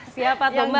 siapa tuh mbak